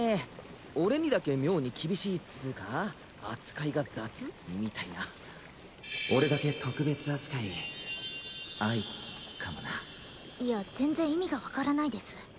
俺にだけ妙に厳しいっつーか扱いが雑みたいな俺だけ特別扱い愛かもないや全然意味が分からないです